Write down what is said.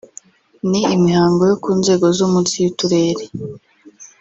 ni imihigo yo ku nzego zo munsi y’uturere